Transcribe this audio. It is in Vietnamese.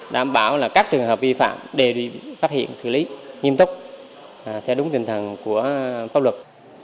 đảm bảo là các trường hợp vi phạm để phát hiện xử lý nghiêm túc theo đúng tình thần của pháp luật